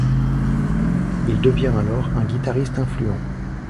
Il devient alors un guitariste influent.